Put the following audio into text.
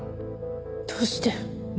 どうして？